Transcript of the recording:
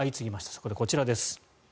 そこでこちらです。